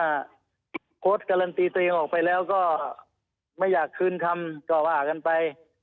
โค้ดการันตีตัวเองออกไปแล้วก็ไม่อยากคืนคำก็ว่ากันไป